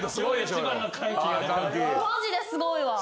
マジですごいわ。